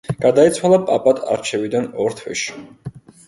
გარდაიცვალა პაპად არჩევიდან ორ თვეში.